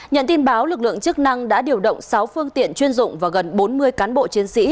nhận tin báo lực lượng chức năng đã điều động sáu phương tiện chuyên dụng và gần bốn mươi cán bộ chiến sĩ